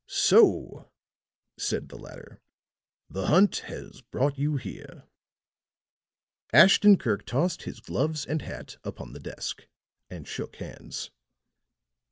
"So," said the latter, "the hunt has brought you here." Ashton Kirk tossed his gloves and hat upon the desk and shook hands.